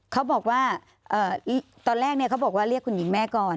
เขาบอกว่าตอนแรกเขาบอกว่าเรียกคุณหญิงแม่ก่อน